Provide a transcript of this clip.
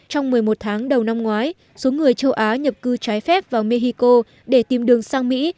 trong một mươi một tháng đầu năm ngoái số người châu á nhập cư trái phép vào mexico để tìm đường sang mỹ